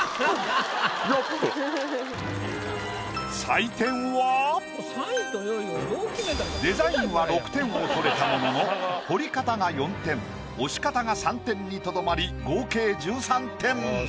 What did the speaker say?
採点はデザインは６点を取れたものの彫り方が４点押し方が３点にとどまり合計１３点。